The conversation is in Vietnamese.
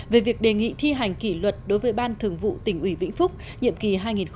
về việc đề nghị thi hành kỷ luật đối với ban thường vụ tỉnh ủy vĩnh phúc nhiệm kỳ hai nghìn một mươi hai nghìn một mươi năm